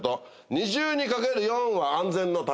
二重にかけるヨンは安全の為。